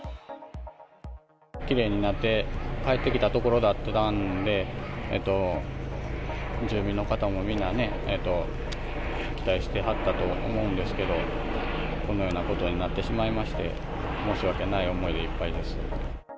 きれいになって帰ってきたところだったんで、住民の方もみんなね、期待してはったと思うんですけど、このようなことになってしまいまして、申し訳ない思いでいっぱいです。